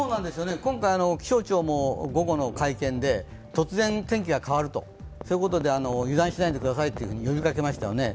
今回、気象庁も午後の会見で突然、天気が変わると、そういうことで油断しないでくださいと呼びかけましたよね。